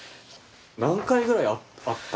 何回ぐらい会った？